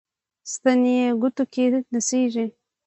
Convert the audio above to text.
ستن یې ګوتو کې نڅیږي